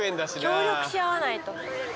協力し合わないと。